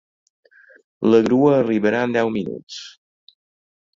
La grua arribarà en deu minuts.